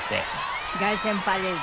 凱旋パレード。